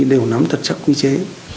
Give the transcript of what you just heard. đều nắm thật chắc quy chế